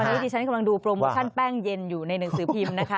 วันนี้ดิฉันกำลังดูโปรโมชั่นแป้งเย็นอยู่ในหนังสือพิมพ์นะคะ